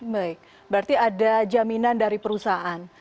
baik berarti ada jaminan dari perusahaan